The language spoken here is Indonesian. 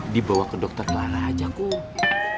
dibawa ke dokter klara aja kum